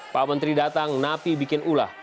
pak menteri datang napi bikin ulah